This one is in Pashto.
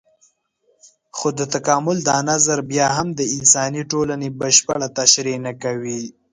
خو د تکامل دا نظر بيا هم د انساني ټولنې بشپړه تشرېح نه کوي.